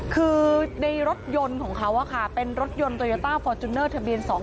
คือในรถยนต์ของเขาอ่ะค่ะเป็นรถยนต์โตยาต้าฟอร์จุนเนอร์ทะเบียนสอง